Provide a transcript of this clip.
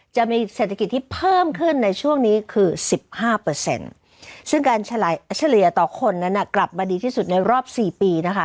จะมีเศรษฐกิจที่เพิ่มขึ้นในช่วงนี้คือ๑๕ซึ่งการเฉลี่ยต่อคนนั้นกลับมาดีที่สุดในรอบ๔ปีนะคะ